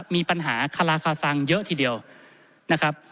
มีปัญหาคาราคาซังเยอะทีเดียวนะครับ